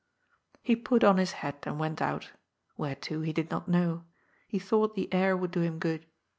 He put on his hat, and went out. Where to, he did not know. He thought the air would do him good.